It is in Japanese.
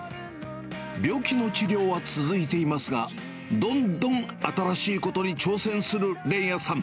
病気の治療は続いていますが、どんどん新しいことに挑戦する連也さん。